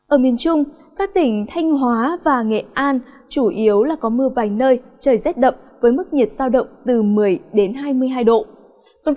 ở miền trung các tỉnh thanh hóa và nghệ an chủ yếu là có mưa vài nơi trời rét đậm với mức nhiệt giao động từ một mươi đến hai mươi hai độ